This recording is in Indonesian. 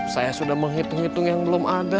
saya sudah menghitung hitung yang belum ada